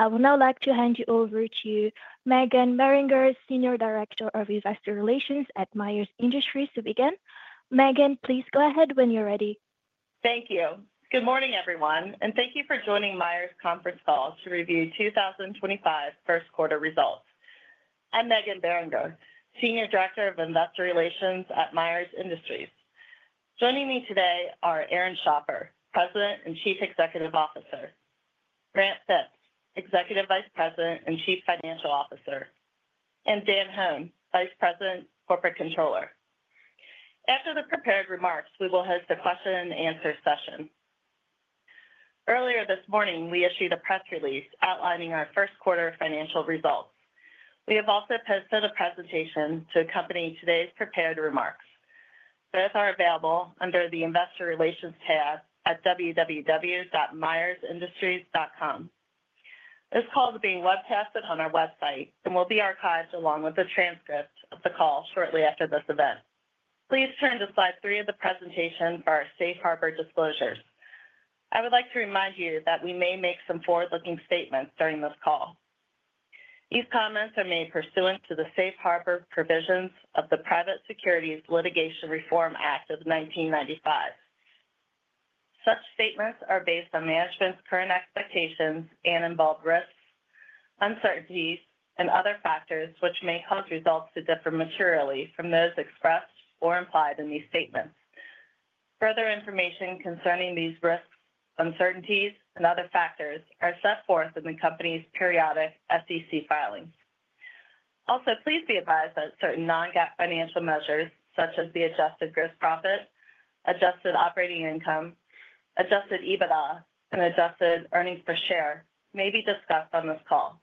I would now like to hand you over to Meghan Beringer, Senior Director of Investor Relations at Myers Industries, to begin. Meghan, please go ahead when you're ready. Thank you. Good morning, everyone, and thank you for joining Myers' conference call to review 2025 first quarter results. I'm Meghan Beringer, Senior Director of Investor Relations at Myers Industries. Joining me today are Aaron Schapper, President and Chief Executive Officer; Grant Fitz, Executive Vice President and Chief Financial Officer; and Dan Hoehn, Vice President, Corporate Controller. After the prepared remarks, we will head to the question-and-answer session. Earlier this morning, we issued a press release outlining our first quarter financial results. We have also posted a presentation to accompany today's prepared remarks. Both are available under the Investor Relations tab at www.myersindustries.com. This call is being webcast on our website and will be archived along with the transcript of the call shortly after this event. Please turn to slide three of the presentation for our safe harbor disclosures. I would like to remind you that we may make some forward-looking statements during this call. These comments are made pursuant to the safe harbor provisions of the Private Securities Litigation Reform Act of 1995. Such statements are based on management's current expectations and involve risks, uncertainties, and other factors which may cause results to differ materially from those expressed or implied in these statements. Further information concerning these risks, uncertainties, and other factors are set forth in the company's periodic SEC filings. Also, please be advised that certain non-GAAP financial measures, such as the adjusted gross profit, adjusted operating income, adjusted EBITDA, and adjusted earnings per share, may be discussed on this call.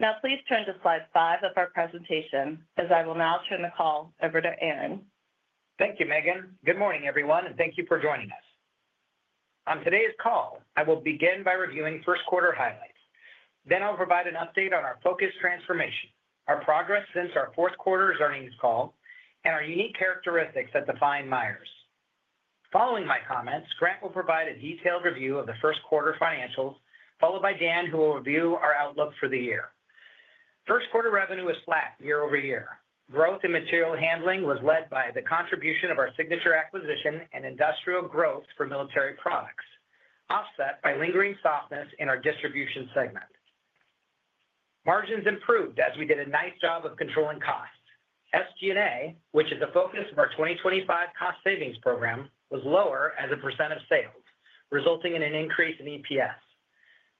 Now, please turn to slide five of our presentation, as I will now turn the call over to Aaron. Thank you, Meghan. Good morning, everyone, and thank you for joining us. On today's call, I will begin by reviewing first quarter highlights. Then I'll provide an update on our focused transformation, our progress since our fourth quarter's earnings call, and our unique characteristics that define Myers. Following my comments, Grant will provide a detailed review of the first quarter financials, followed by Dan, who will review our outlook for the year. First quarter revenue is flat year-over-year. Growth in material handling was led by the contribution of our Signature acquisition and industrial growth for military products, offset by lingering softness in our distribution segment. Margins improved as we did a nice job of controlling costs. SG&A, which is the focus of our 2025 cost savings program, was lower as a percent of sales, resulting in an increase in EPS.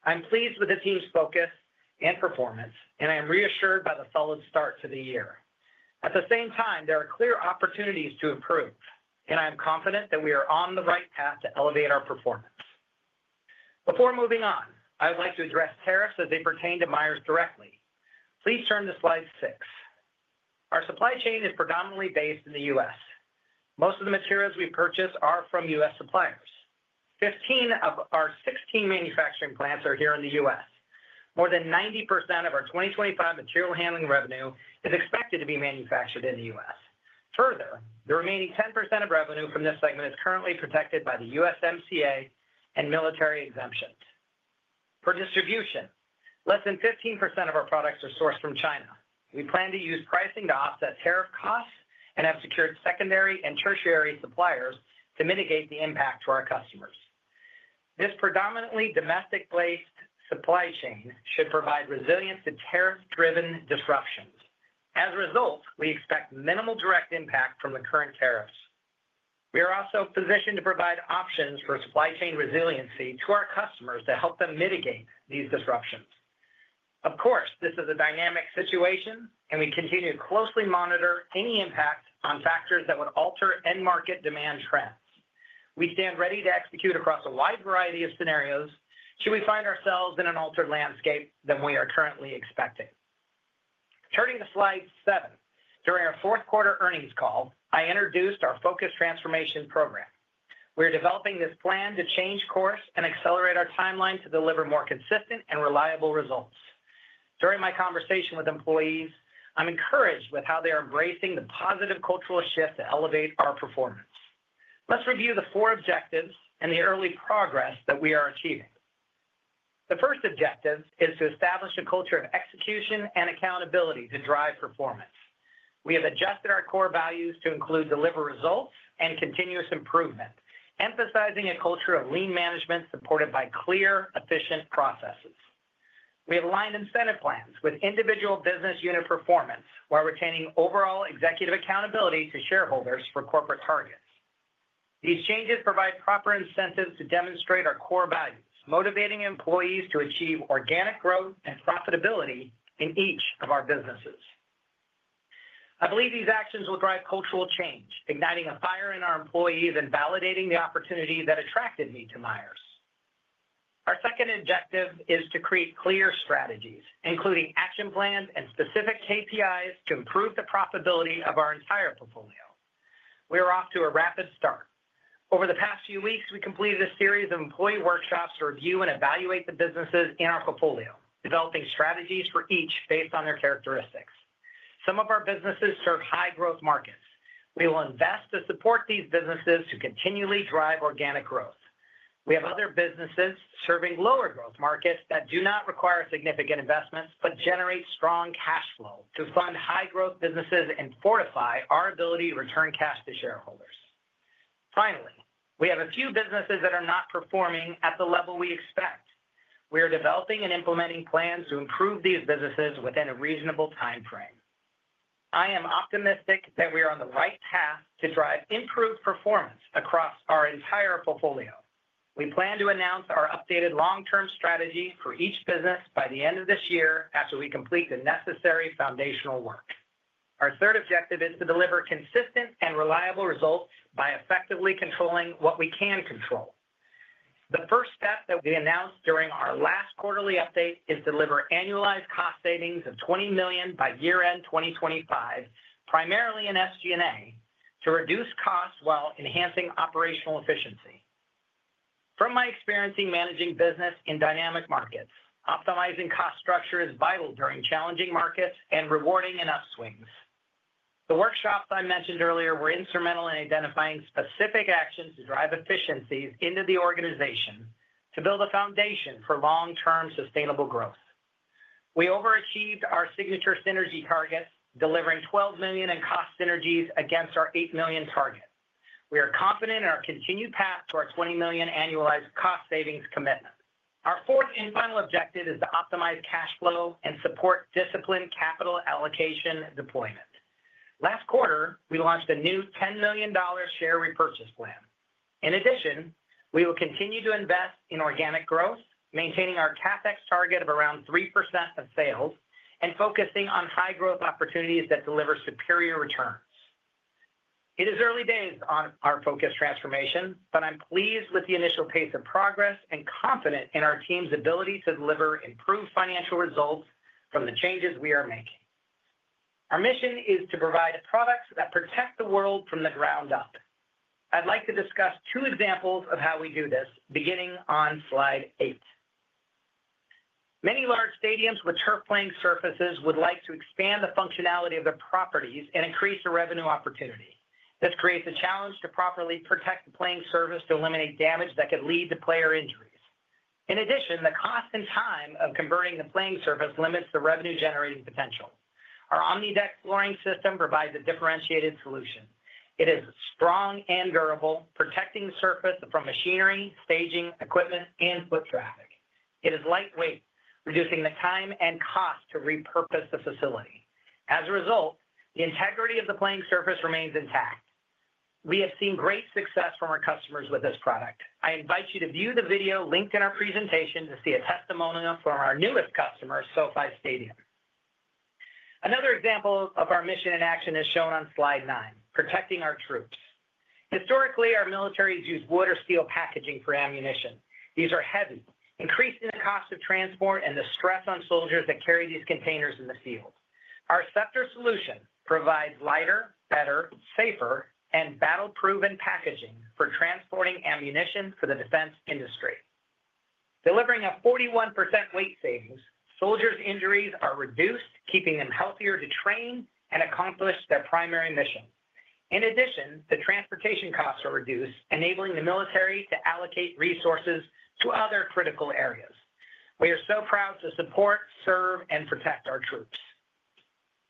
I'm pleased with the team's focus and performance, and I'm reassured by the solid start to the year. At the same time, there are clear opportunities to improve, and I'm confident that we are on the right path to elevate our performance. Before moving on, I would like to address tariffs as they pertain to Myers directly. Please turn to slide six. Our supply chain is predominantly based in the U.S. Most of the materials we purchase are from U.S. suppliers. Fifteen of our sixteen manufacturing plants are here in the U.S. More than 90% of our 2025 material handling revenue is expected to be manufactured in the U.S. Further, the remaining 10% of revenue from this segment is currently protected by the USMCA and military exemptions. For distribution, less than 15% of our products are sourced from China. We plan to use pricing to offset tariff costs and have secured secondary and tertiary suppliers to mitigate the impact to our customers. This predominantly domestic-based supply chain should provide resilience to tariff-driven disruptions. As a result, we expect minimal direct impact from the current tariffs. We are also positioned to provide options for supply chain resiliency to our customers to help them mitigate these disruptions. Of course, this is a dynamic situation, and we continue to closely monitor any impact on factors that would alter end-market demand trends. We stand ready to execute across a wide variety of scenarios should we find ourselves in an altered landscape than we are currently expecting. Turning to slide seven, during our fourth quarter earnings call, I introduced our focused transformation program. We are developing this plan to change course and accelerate our timeline to deliver more consistent and reliable results. During my conversation with employees, I'm encouraged with how they are embracing the positive cultural shift to elevate our performance. Let's review the four objectives and the early progress that we are achieving. The first objective is to establish a culture of execution and accountability to drive performance. We have adjusted our core values to include deliver results and continuous improvement, emphasizing a culture of lean management supported by clear, efficient processes. We have aligned incentive plans with individual business unit performance while retaining overall executive accountability to shareholders for corporate targets. These changes provide proper incentives to demonstrate our core values, motivating employees to achieve organic growth and profitability in each of our businesses. I believe these actions will drive cultural change, igniting a fire in our employees and validating the opportunity that attracted me to Myers. Our second objective is to create clear strategies, including action plans and specific KPIs to improve the profitability of our entire portfolio. We are off to a rapid start. Over the past few weeks, we completed a series of employee workshops to review and evaluate the businesses in our portfolio, developing strategies for each based on their characteristics. Some of our businesses serve high-growth markets. We will invest to support these businesses to continually drive organic growth. We have other businesses serving lower-growth markets that do not require significant investments but generate strong cash flow to fund high-growth businesses and fortify our ability to return cash to shareholders. Finally, we have a few businesses that are not performing at the level we expect. We are developing and implementing plans to improve these businesses within a reasonable timeframe. I am optimistic that we are on the right path to drive improved performance across our entire portfolio. We plan to announce our updated long-term strategy for each business by the end of this year after we complete the necessary foundational work. Our third objective is to deliver consistent and reliable results by effectively controlling what we can control. The first step that we announced during our last quarterly update is to deliver annualized cost savings of $20 million by year-end 2025, primarily in SG&A, to reduce costs while enhancing operational efficiency. From my experience in managing business in dynamic markets, optimizing cost structure is vital during challenging markets and rewarding in upswings. The workshops I mentioned earlier were instrumental in identifying specific actions to drive efficiencies into the organization to build a foundation for long-term sustainable growth. We overachieved our Signature synergy targets, delivering $12 million in cost synergies against our $8 million target. We are confident in our continued path to our $20 million annualized cost savings commitment. Our fourth and final objective is to optimize cash flow and support disciplined capital allocation deployment. Last quarter, we launched a new $10 million share repurchase plan. In addition, we will continue to invest in organic growth, maintaining our CapEx target of around 3% of sales, and focusing on high-growth opportunities that deliver superior returns. It is early days on our focused transformation, but I'm pleased with the initial pace of progress and confident in our team's ability to deliver improved financial results from the changes we are making. Our mission is to provide products that protect the world from the ground up. I'd like to discuss two examples of how we do this, beginning on slide eight. Many large stadiums with turf-playing surfaces would like to expand the functionality of their properties and increase the revenue opportunity. This creates a challenge to properly protect the playing surface to eliminate damage that could lead to player injuries. In addition, the cost and time of converting the playing surface limits the revenue-generating potential. Our OmniDeck flooring system provides a differentiated solution. It is strong and durable, protecting the surface from machinery, staging, equipment, and foot traffic. It is lightweight, reducing the time and cost to repurpose the facility. As a result, the integrity of the playing surface remains intact. We have seen great success from our customers with this product. I invite you to view the video linked in our presentation to see a testimonial from our newest customer, SoFi Stadium. Another example of our mission in action is shown on slide nine, protecting our troops. Historically, our militaries used wood or steel packaging for ammunition. These are heavy, increasing the cost of transport and the stress on soldiers that carry these containers in the field. Our Scepter solution provides lighter, better, safer, and battle-proven packaging for transporting ammunition for the defense industry. Delivering a 41% weight savings, soldiers' injuries are reduced, keeping them healthier to train and accomplish their primary mission. In addition, the transportation costs are reduced, enabling the military to allocate resources to other critical areas. We are so proud to support, serve, and protect our troops.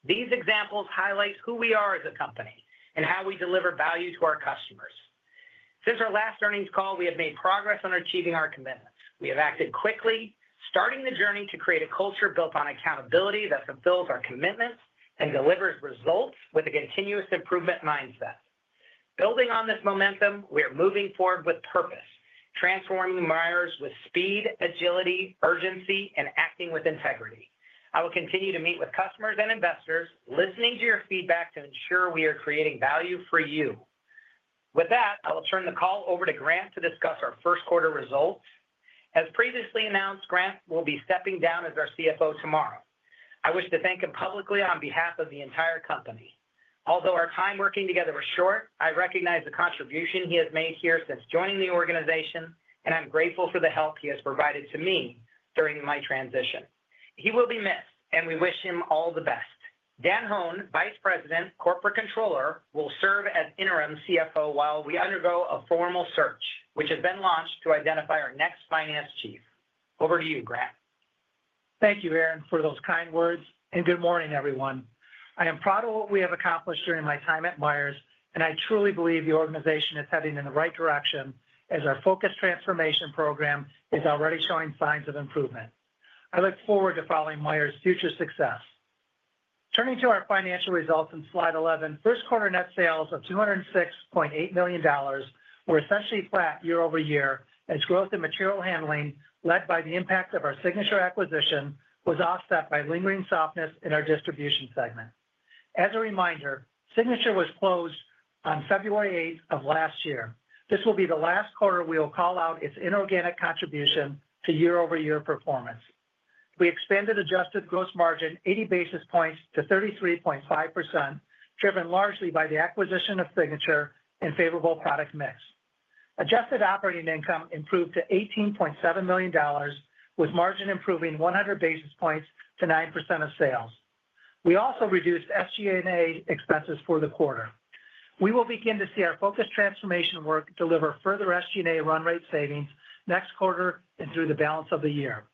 These examples highlight who we are as a company and how we deliver value to our customers. Since our last earnings call, we have made progress on achieving our commitments. We have acted quickly, starting the journey to create a culture built on accountability that fulfills our commitments and delivers results with a continuous improvement mindset. Building on this momentum, we are moving forward with purpose, transforming Myers with speed, agility, urgency, and acting with integrity. I will continue to meet with customers and investors, listening to your feedback to ensure we are creating value for you. With that, I will turn the call over to Grant to discuss our first quarter results. As previously announced, Grant will be stepping down as our CFO tomorrow. I wish to thank him publicly on behalf of the entire company. Although our time working together was short, I recognize the contribution he has made here since joining the organization, and I'm grateful for the help he has provided to me during my transition. He will be missed, and we wish him all the best. Dan Hoehn, Vice President, Corporate Controller, will serve as interim CFO while we undergo a formal search, which has been launched to identify our next finance chief. Over to you, Grant. Thank you, Aaron, for those kind words, and good morning, everyone. I am proud of what we have accomplished during my time at Myers, and I truly believe the organization is heading in the right direction as our focused transformation program is already showing signs of improvement. I look forward to following Myers' future success. Turning to our financial results in slide 11, first quarter net sales of $206.8 million were essentially flat year-over-year as growth in material handling, led by the impact of our Signature acquisition, was offset by lingering softness in our distribution segment. As a reminder, Signature was closed on February 8th of last year. This will be the last quarter we will call out its inorganic contribution to year-over-year performance. We expanded adjusted gross margin 80 basis points to 33.5%, driven largely by the acquisition of Signature and favorable product mix. Adjusted operating income improved to $18.7 million, with margin improving 100 basis points to 9% of sales. We also reduced SG&A expenses for the quarter. We will begin to see our focused transformation work deliver further SG&A run rate savings next quarter and through the balance of the year.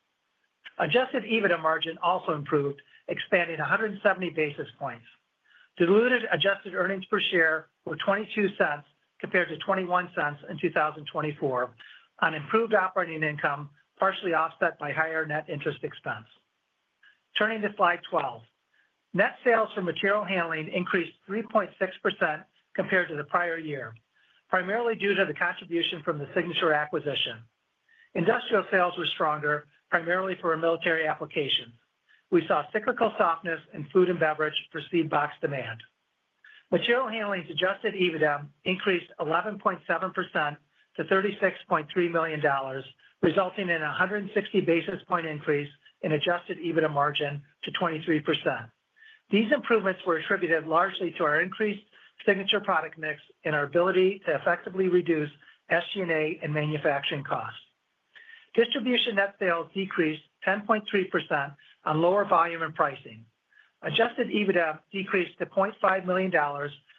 Adjusted EBITDA margin also improved, expanding 170 basis points. Diluted adjusted earnings per share were $0.22 compared to $0.21 in 2024 on improved operating income, partially offset by higher net interest expense. Turning to slide 12, net sales for material handling increased 3.6% compared to the prior year, primarily due to the contribution from the Signature acquisition. Industrial sales were stronger, primarily for military applications. We saw cyclical softness in food and beverage for seed box demand. Material handling's adjusted EBITDA increased 11.7% to $36.3 million, resulting in a 160 basis point increase in adjusted EBITDA margin to 23%. These improvements were attributed largely to our increased Signature product mix and our ability to effectively reduce SG&A and manufacturing costs. Distribution net sales decreased 10.3% on lower volume and pricing. Adjusted EBITDA decreased to $0.5 million,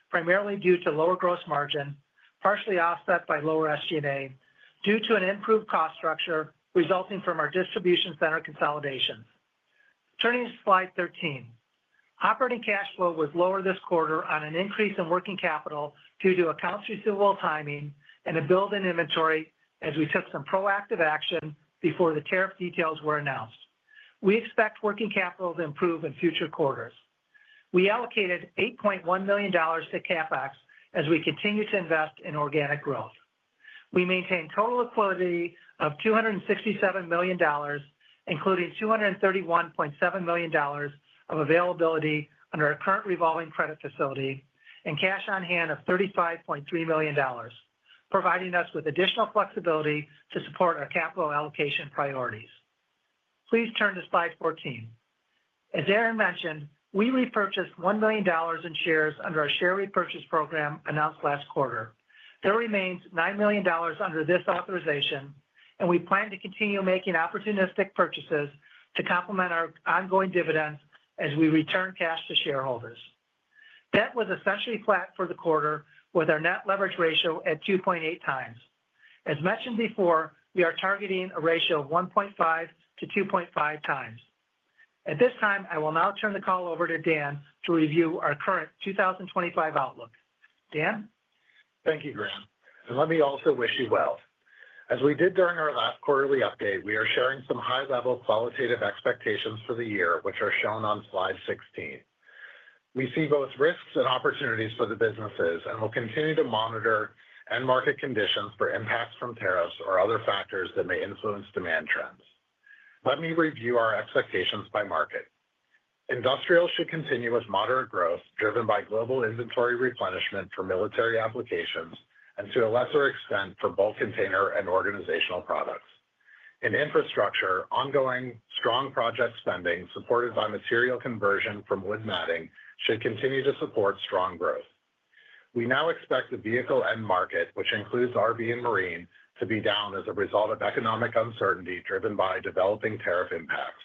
primarily due to lower gross margin, partially offset by lower SG&A, due to an improved cost structure resulting from our distribution center consolidation. Turning to slide 13, operating cash flow was lower this quarter on an increase in working capital due to accounts receivable timing and a build in inventory as we took some proactive action before the tariff details were announced. We expect working capital to improve in future quarters. We allocated $8.1 million to CapEx as we continue to invest in organic growth. We maintain total liquidity of $267 million, including $231.7 million of availability under our current revolving credit facility and cash on hand of $35.3 million, providing us with additional flexibility to support our capital allocation priorities. Please turn to slide 14. As Aaron mentioned, we repurchased $1 million in shares under our share repurchase program announced last quarter. There remains $9 million under this authorization, and we plan to continue making opportunistic purchases to complement our ongoing dividends as we return cash to shareholders. Debt was essentially flat for the quarter, with our net leverage ratio at 2.8 times. As mentioned before, we are targeting a ratio of 1.5-2.5 times. At this time, I will now turn the call over to Dan to review our current 2025 outlook. Dan? Thank you, Grant. Let me also wish you well. As we did during our last quarterly update, we are sharing some high-level qualitative expectations for the year, which are shown on slide 16. We see both risks and opportunities for the businesses and will continue to monitor end market conditions for impacts from tariffs or other factors that may influence demand trends. Let me review our expectations by market. Industrial should continue with moderate growth driven by global inventory replenishment for military applications and to a lesser extent for bulk container and organizational products. In infrastructure, ongoing strong project spending supported by material conversion from wood matting should continue to support strong growth. We now expect the vehicle end market, which includes RV and marine, to be down as a result of economic uncertainty driven by developing tariff impacts.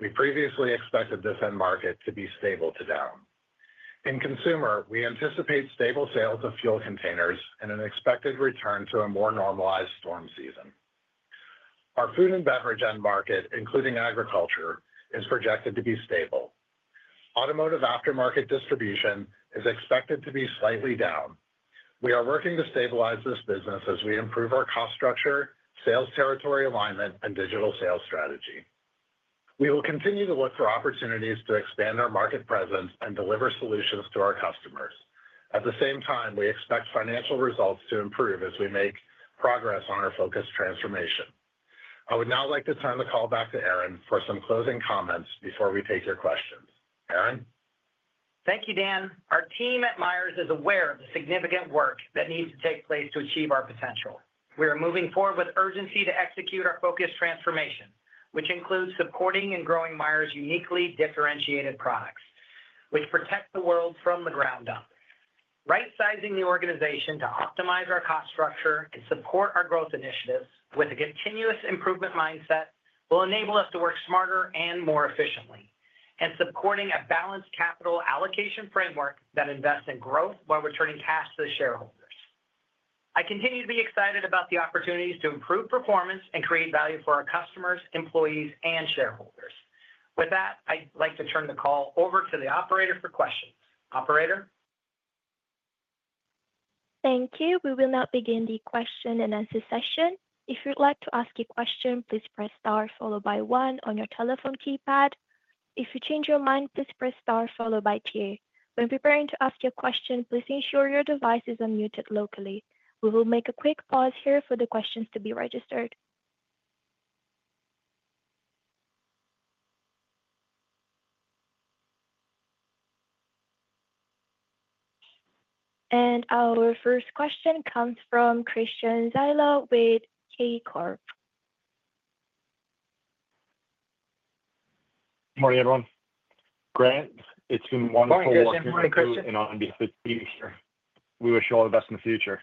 We previously expected this end market to be stable to down. In consumer, we anticipate stable sales of fuel containers and an expected return to a more normalized storm season. Our food and beverage end market, including agriculture, is projected to be stable. Automotive aftermarket distribution is expected to be slightly down. We are working to stabilize this business as we improve our cost structure, sales territory alignment, and digital sales strategy. We will continue to look for opportunities to expand our market presence and deliver solutions to our customers. At the same time, we expect financial results to improve as we make progress on our focused transformation. I would now like to turn the call back to Aaron for some closing comments before we take your questions. Aaron? Thank you, Dan. Our team at Myers is aware of the significant work that needs to take place to achieve our potential. We are moving forward with urgency to execute our focused transformation, which includes supporting and growing Myers' uniquely differentiated products, which protect the world from the ground up. Right-sizing the organization to optimize our cost structure and support our growth initiatives with a continuous improvement mindset will enable us to work smarter and more efficiently, and supporting a balanced capital allocation framework that invests in growth while returning cash to the shareholders. I continue to be excited about the opportunities to improve performance and create value for our customers, employees, and shareholders. With that, I'd like to turn the call over to the operator for questions. Operator? Thank you. We will now begin the question and answer session. If you'd like to ask a question, please press star followed by one on your telephone keypad. If you change your mind, please press star followed by two. When preparing to ask your question, please ensure your device is unmuted locally. We will make a quick pause here for the questions to be registered. Our first question comes from Christian Zyla with KeyBanc Capital. Morning, everyone. Grant, it's been wonderful working with you. We wish you all the best in the future.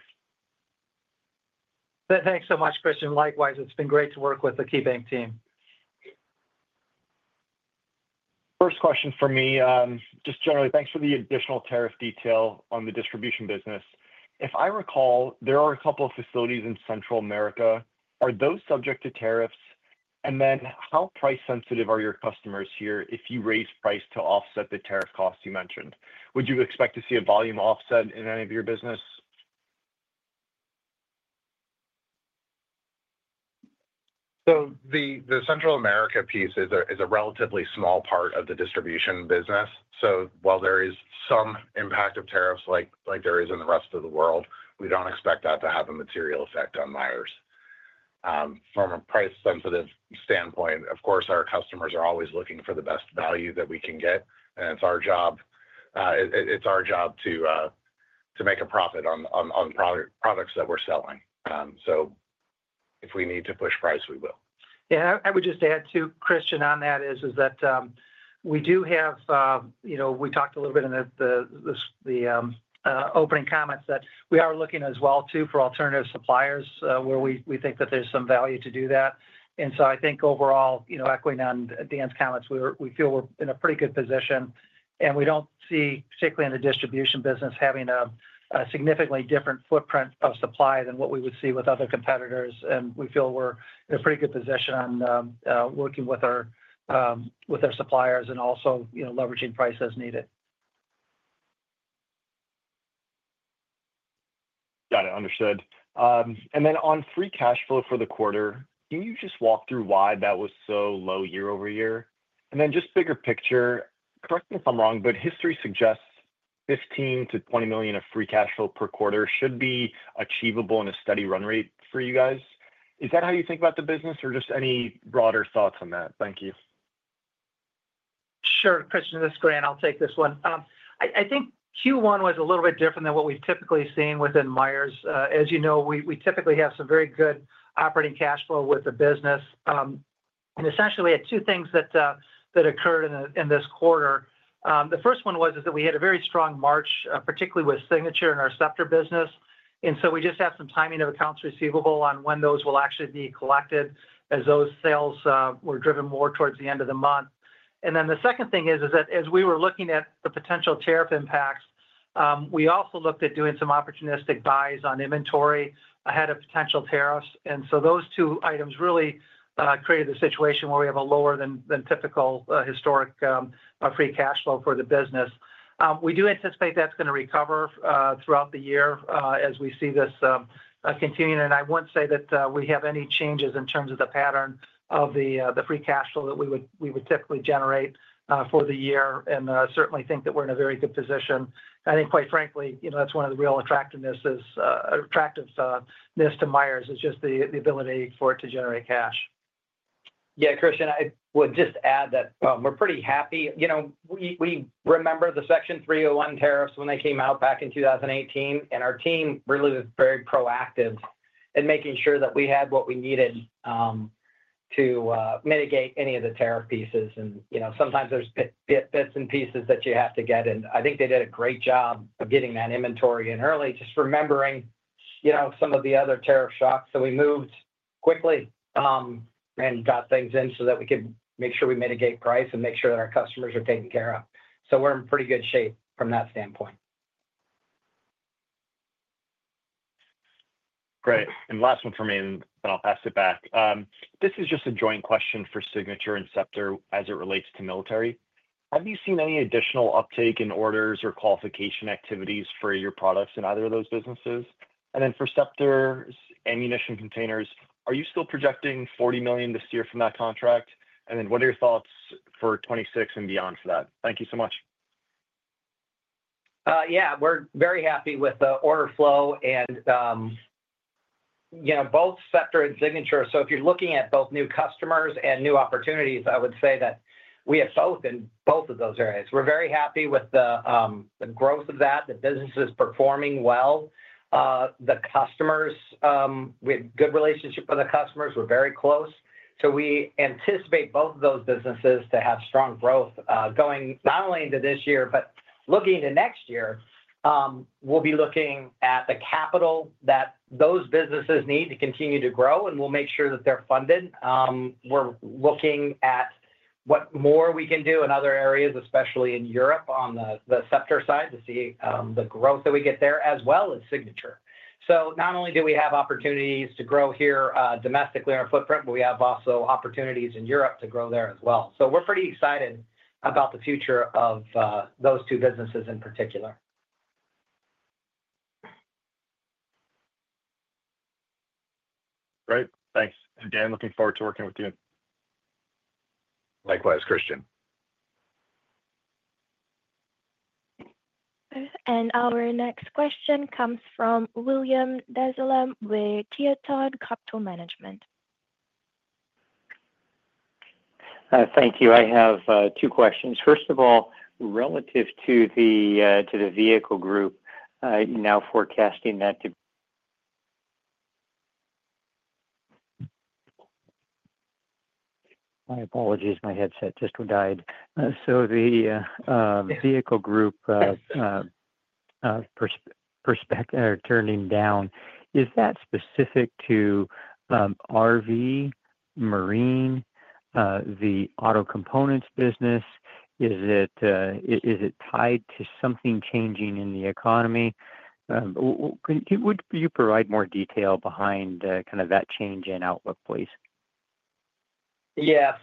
Thanks so much, Christian. Likewise, it's been great to work with the KeyBanc team. First question for me, just generally, thanks for the additional tariff detail on the distribution business. If I recall, there are a couple of facilities in Central America. Are those subject to tariffs? How price-sensitive are your customers here if you raise price to offset the tariff costs you mentioned? Would you expect to see a volume offset in any of your business? The Central America piece is a relatively small part of the distribution business. While there is some impact of tariffs like there is in the rest of the world, we do not expect that to have a material effect on Myers. From a price-sensitive standpoint, of course, our customers are always looking for the best value that we can get. It is our job to make a profit on products that we are selling. If we need to push price, we will. Yeah, I would just add to Christian on that is that we do have—we talked a little bit in the opening comments that we are looking as well too for alternative suppliers where we think that there's some value to do that. I think overall, echoing on Dan's comments, we feel we're in a pretty good position. We don't see, particularly in the distribution business, having a significantly different footprint of supply than what we would see with other competitors. We feel we're in a pretty good position on working with our suppliers and also leveraging price as needed. Got it. Understood. On free cash flow for the quarter, can you just walk through why that was so low year-over-year? Just bigger picture, correct me if I'm wrong, but history suggests $15 million-$20 million of free cash flow per quarter should be achievable in a steady run rate for you guys. Is that how you think about the business or just any broader thoughts on that? Thank you. Sure. Christian, this is Grant. I'll take this one. I think Q1 was a little bit different than what we've typically seen within Myers. As you know, we typically have some very good operating cash flow with the business. Essentially, we had two things that occurred in this quarter. The first one was that we had a very strong March, particularly with Signature and our Scepter business. We just have some timing of accounts receivable on when those will actually be collected as those sales were driven more towards the end of the month. The second thing is that as we were looking at the potential tariff impacts, we also looked at doing some opportunistic buys on inventory ahead of potential tariffs. Those two items really created the situation where we have a lower than typical historic free cash flow for the business. We do anticipate that's going to recover throughout the year as we see this continuing. I wouldn't say that we have any changes in terms of the pattern of the free cash flow that we would typically generate for the year. I certainly think that we're in a very good position. I think, quite frankly, that's one of the real attractivenesses to Myers is just the ability for it to generate cash. Yeah, Christian, I would just add that we're pretty happy. We remember the Section 301 tariffs when they came out back in 2018. Our team really was very proactive in making sure that we had what we needed to mitigate any of the tariff pieces. Sometimes there's bits and pieces that you have to get. I think they did a great job of getting that inventory in early, just remembering some of the other tariff shocks. We moved quickly and got things in so that we could make sure we mitigate price and make sure that our customers are taken care of. We're in pretty good shape from that standpoint. Great. Last one for me, and then I'll pass it back. This is just a joint question for Signature and Scepter as it relates to military. Have you seen any additional uptake in orders or qualification activities for your products in either of those businesses? For Scepter's ammunition containers, are you still projecting $40 million this year from that contract? What are your thoughts for 2026 and beyond for that? Thank you so much. Yeah, we're very happy with the order flow in both Scepter and Signature. If you're looking at both new customers and new opportunities, I would say that we have [both] in both of those areas. We're very happy with the growth of that. The business is performing well. We have a good relationship with the customers. We're very close. We anticipate both of those businesses to have strong growth going not only into this year, but looking to next year. We'll be looking at the capital that those businesses need to continue to grow, and we'll make sure that they're funded. We're looking at what more we can do in other areas, especially in Europe on the Scepter side, to see the growth that we get there as well as Signature. Not only do we have opportunities to grow here domestically on our footprint, but we have also opportunities in Europe to grow there as well. We are pretty excited about the future of those two businesses in particular. Great. Thanks. Dan, looking forward to working with you. Likewise, Christian. Our next question comes from William Dezellem with Tieton Capital Management. Thank you. I have two questions. First of all, relative to the vehicle group, now forecasting that— My apologies, my headset just died. The vehicle group turning down, is that specific to RV, marine, the auto components business? Is it tied to something changing in the economy? Would you provide more detail behind kind of that change in outlook, please? Yeah.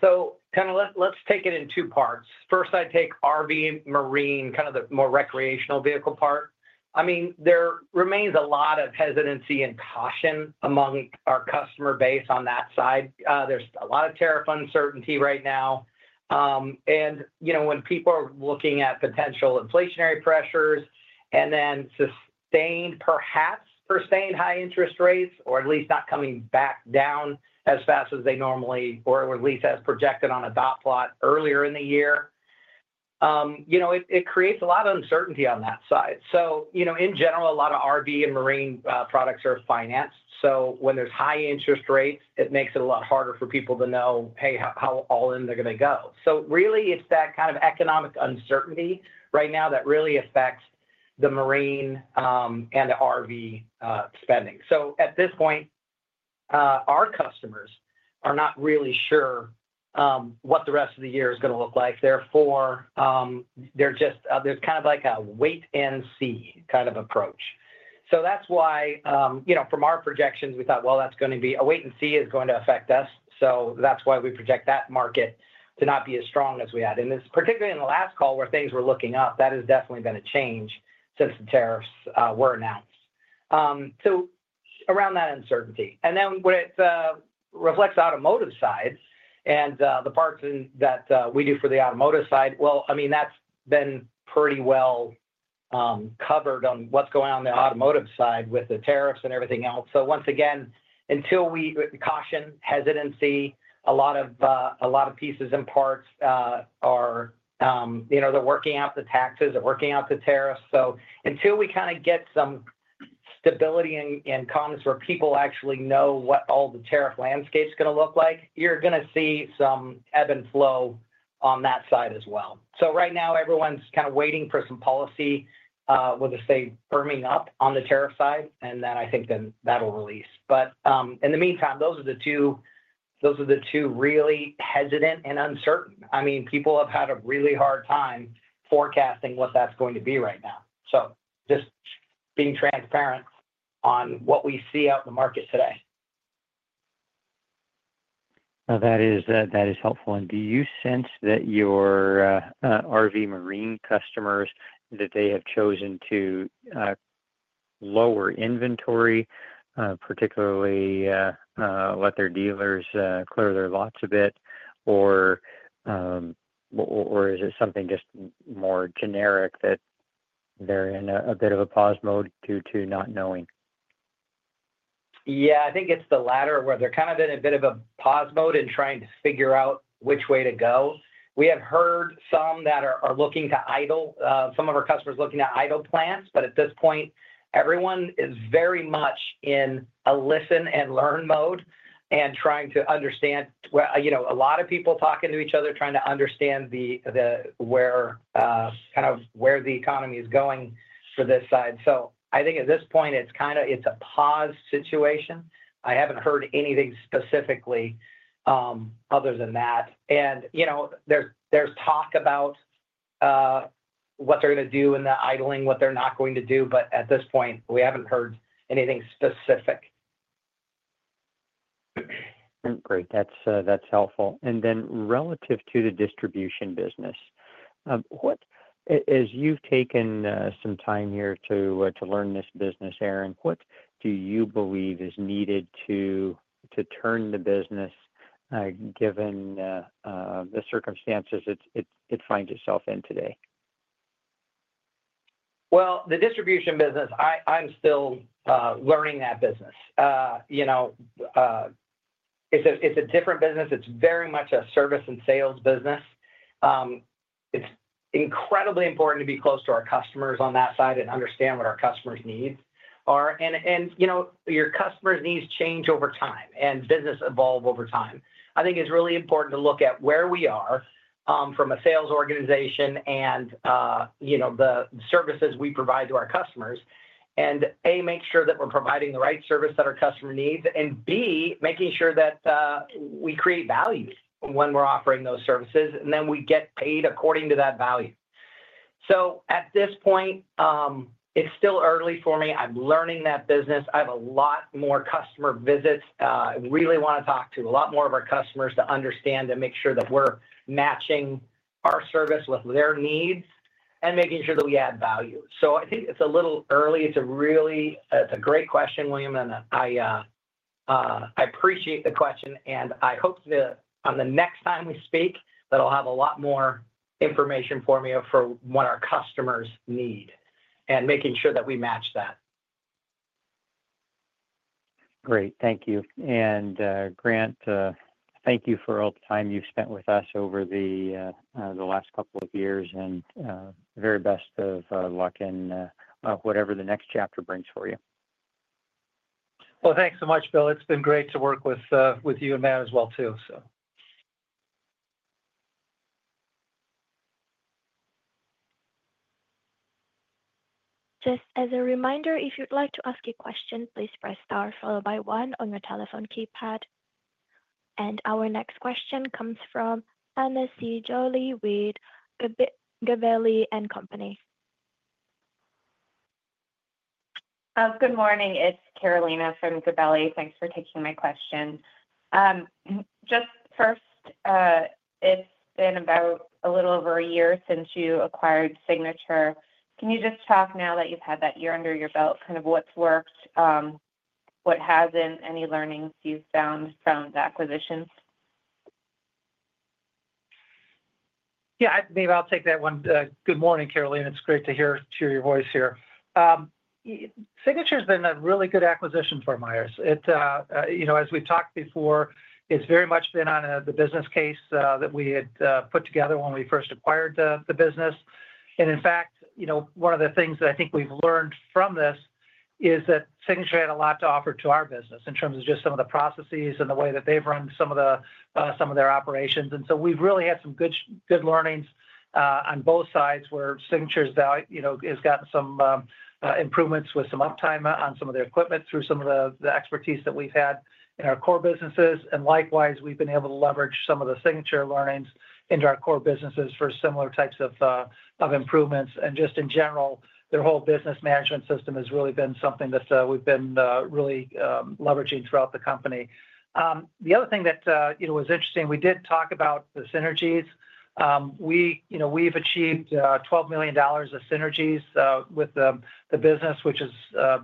Kind of let's take it in two parts. First, I take RV, marine, kind of the more recreational vehicle part. I mean, there remains a lot of hesitancy and caution among our customer base on that side. There's a lot of tariff uncertainty right now. When people are looking at potential inflationary pressures and then sustained, perhaps sustained high interest rates, or at least not coming back down as fast as they normally, or at least as projected on a dot plot earlier in the year, it creates a lot of uncertainty on that side. In general, a lot of RV and marine products are financed. When there's high interest rates, it makes it a lot harder for people to know, hey, how all in they're going to go. It is that kind of economic uncertainty right now that really affects the marine and the RV spending. At this point, our customers are not really sure what the rest of the year is going to look like. Therefore, there is kind of like a wait and see kind of approach. That is why from our projections, we thought that is going to be a wait and see is going to affect us. That is why we project that market to not be as strong as we had. Particularly in the last call where things were looking up, that has definitely been a change since the tariffs were announced. Around that uncertainty. When it reflects automotive side and the parts that we do for the automotive side, I mean, that's been pretty well covered on what's going on on the automotive side with the tariffs and everything else. Once again, until we caution, hesitancy, a lot of pieces and parts are they're working out the taxes, they're working out the tariffs. Until we kind of get some stability in comms where people actually know what all the tariff landscape's going to look like, you're going to see some ebb and flow on that side as well. Right now, everyone's kind of waiting for some policy with, say, firming up on the tariff side. I think then that'll release. In the meantime, those are the two really hesitant and uncertain. I mean, people have had a really hard time forecasting what that's going to be right now. Just being transparent on what we see out in the market today. That is helpful. Do you sense that your RV marine customers, that they have chosen to lower inventory, particularly let their dealers clear their lots a bit, or is it something just more generic that they're in a bit of a pause mode due to not knowing? Yeah, I think it's the latter where they're kind of in a bit of a pause mode and trying to figure out which way to go. We have heard some that are looking to idle. Some of our customers are looking at idle plants. At this point, everyone is very much in a listen and learn mode and trying to understand, a lot of people talking to each other, trying to understand kind of where the economy is going for this side. I think at this point, it's kind of a pause situation. I haven't heard anything specifically other than that. There's talk about what they're going to do in the idling, what they're not going to do. At this point, we haven't heard anything specific. Great. That's helpful. Relative to the distribution business, as you've taken some time here to learn this business, Aaron, what do you believe is needed to turn the business given the circumstances it finds itself in today? The distribution business, I'm still learning that business. It's a different business. It's very much a service and sales business. It's incredibly important to be close to our customers on that side and understand what our customers' needs are. Your customers' needs change over time and business evolve over time. I think it's really important to look at where we are from a sales organization and the services we provide to our customers and, A, make sure that we're providing the right service that our customer needs and, B, making sure that we create value when we're offering those services and then we get paid according to that value. At this point, it's still early for me. I'm learning that business. I have a lot more customer visits. I really want to talk to a lot more of our customers to understand and make sure that we're matching our service with their needs and making sure that we add value. I think it's a little early. It's a great question, William. I appreciate the question. I hope that the next time we speak, I'll have a lot more information for me for what our customers need and making sure that we match that. Great. Thank you. Grant, thank you for all the time you've spent with us over the last couple of years and the very best of luck in whatever the next chapter brings for you. Thanks so much, Bill. It's been great to work with you and Matt as well too. Just as a reminder, if you'd like to ask a question, please press star followed by one on your telephone keypad. Our next question comes from A. Carolina Jolly with Gabelli. Good morning. It's Carolina from Gabelli. Thanks for taking my question. Just first, it's been about a little over a year since you acquired Signature. Can you just talk now that you've had that year under your belt, kind of what's worked, what hasn't, any learnings you've found from the acquisition? Yeah, maybe I'll take that one. Good morning, Carolina. It's great to hear your voice here. Signature has been a really good acquisition for Myers. As we've talked before, it's very much been on the business case that we had put together when we first acquired the business. In fact, one of the things that I think we've learned from this is that Signature had a lot to offer to our business in terms of just some of the processes and the way that they've run some of their operations. We've really had some good learnings on both sides where Signature has gotten some improvements with some uptime on some of their equipment through some of the expertise that we've had in our core businesses. Likewise, we've been able to leverage some of the Signature learnings into our core businesses for similar types of improvements. Just in general, their whole business management system has really been something that we've been really leveraging throughout the company. The other thing that was interesting, we did talk about the synergies. We've achieved $12 million of synergies with the business, which is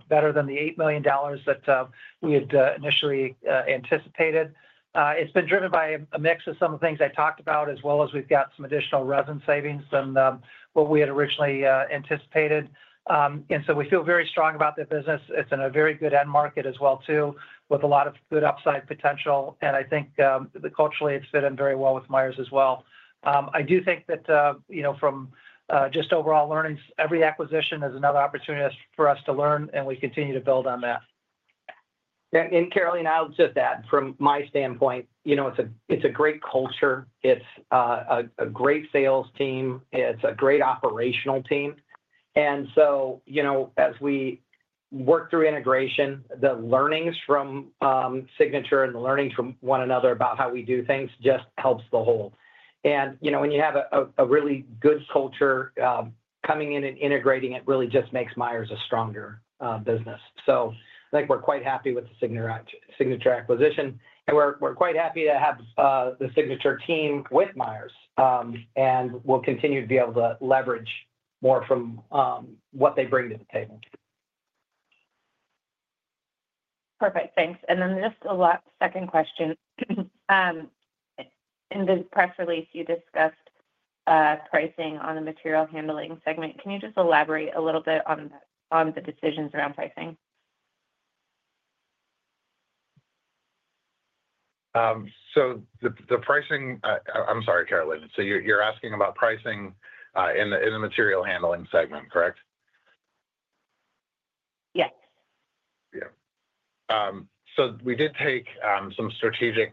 better than the $8 million that we had initially anticipated. It's been driven by a mix of some of the things I talked about, as well as we've got some additional resin savings than what we had originally anticipated. We feel very strong about their business. It's in a very good end market as well too, with a lot of good upside potential. I think culturally, it's fit in very well with Myers as well. I do think that from just overall learnings, every acquisition is another opportunity for us to learn, and we continue to build on that. Carolina, I'll just add from my standpoint, it's a great culture. It's a great sales team. It's a great operational team. As we work through integration, the learnings from Signature and the learnings from one another about how we do things just helps the whole. When you have a really good culture coming in and integrating it, it really just makes Myers a stronger business. I think we're quite happy with the Signature acquisition. We're quite happy to have the Signature team with Myers. We'll continue to be able to leverage more from what they bring to the table. Perfect. Thanks. Just a second question. In the press release, you discussed pricing on the material handling segment. Can you just elaborate a little bit on the decisions around pricing? I'm sorry, Carolina. You're asking about pricing in the material handling segment, correct? Yes. Yeah. We did take some strategic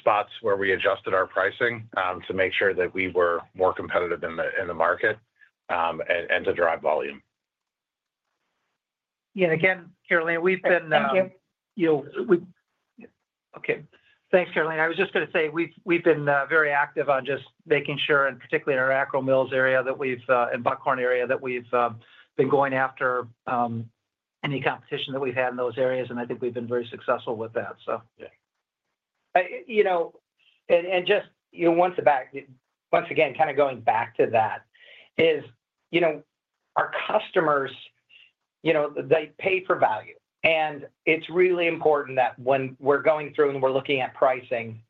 spots where we adjusted our pricing to make sure that we were more competitive in the market and to drive volume. Yeah. Again, Carolina, we've been. Thank you. Okay. Thanks, Carolina. I was just going to say we've been very active on just making sure, and particularly in our Akro-Mils area and Buckhorn area, that we've been going after any competition that we've had in those areas. I think we've been very successful with that, so. Yeah. Just once again, kind of going back to that, our customers, they pay for value. It is really important that when we are going through and we are looking at pricing,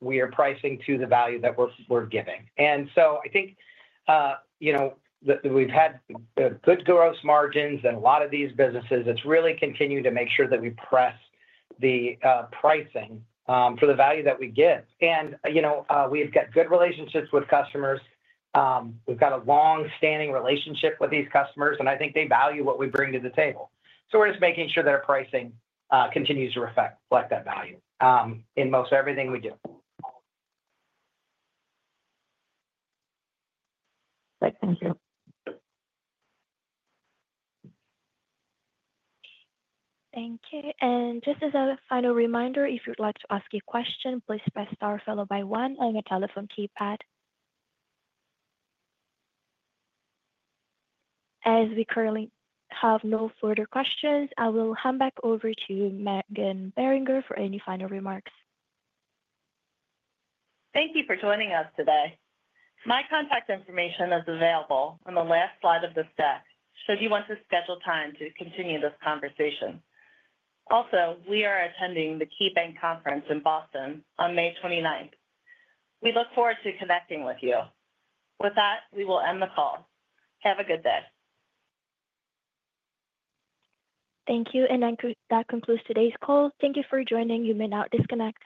we are pricing to the value that we are giving. I think that we have had good gross margins in a lot of these businesses. It is really continuing to make sure that we press the pricing for the value that we give. We have got good relationships with customers. We have got a long-standing relationship with these customers. I think they value what we bring to the table. We are just making sure that our pricing continues to reflect that value in most everything we do. Great. Thank you. Thank you. Just as a final reminder, if you'd like to ask a question, please press star followed by one on your telephone keypad. As we currently have no further questions, I will hand back over to Meghan Beringer for any final remarks. Thank you for joining us today. My contact information is available on the last slide of the stack should you want to schedule time to continue this conversation. Also, we are attending the KeyBanc Conference in Boston on May 29th. We look forward to connecting with you. With that, we will end the call. Have a good day. Thank you. That concludes today's call. Thank you for joining. You may now disconnect.